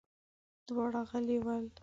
دواړه غلي ول.